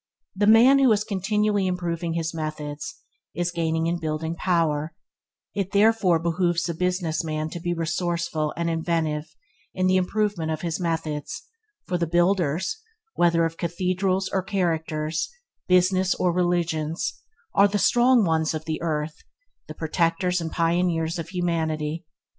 The man who is continually improving his methods, is gaining in building power; it therefore behoves the business man to be resourceful and inventive in the improvement of his methods, for the builders – whether of cathedrals or characters, business or religions – are the strong ones of the earth, and the protectors and pioneers of humanity.